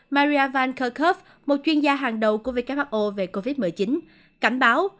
maria van kerkhove một chuyên gia hàng đầu của who về covid một mươi chín cảnh báo